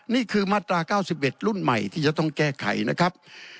นี่คือมาตรา๙๑รุ่นใหม่ที่จะต้องแก้ไขนะครับ